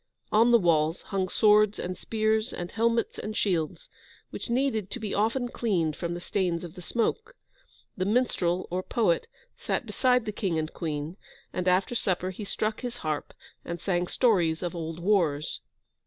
On the walls hung swords and spears and helmets and shields, which needed to be often cleaned from the stains of the smoke. The minstrel or poet sat beside the King and Queen, and, after supper he struck his harp, and sang stories of old wars.